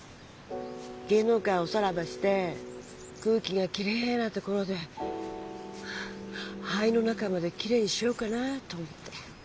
芸能界おさらばして空気がきれいな所で肺の中まできれいにしようかなと思って。